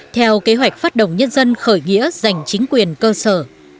theo kế hoạch phát động nhân dân khởi nghĩa giành chính quyền cơ sở